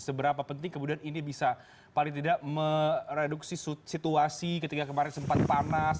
seberapa penting kemudian ini bisa paling tidak mereduksi situasi ketika kemarin sempat panas